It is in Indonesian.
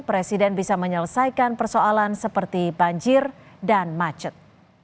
presiden bisa menyelesaikan persoalan seperti banjir dan macet